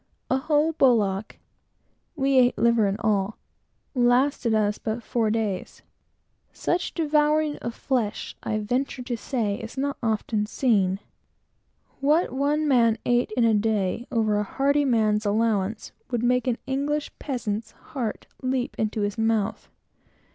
A whole bullock (we ate liver and all) lasted us but four days. Such devouring of flesh, I will venture to say, was seldom known before. What one man ate in a day, over a hearty man's allowance, would make a Russian's heart leap into his mouth.